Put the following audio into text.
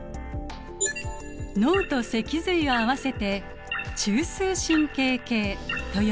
脳と脊髄を合わせて中枢神経系と呼びます。